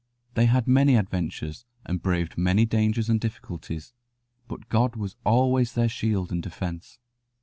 They had many adventures, and braved many dangers and difficulties, but God was always their shield and defence.